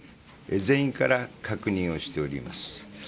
全員から確認をしております。